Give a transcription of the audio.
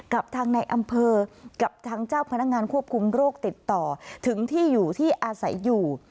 กับทางในอำเภอกับทางเจ้าพนักงานควบคุมโรคติดต่อถึงที่อยู่ที่อาศัยอยู่